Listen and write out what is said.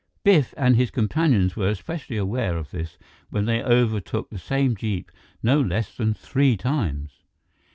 Biff and his companions were specially aware of this when they overtook the same jeep no less than three times.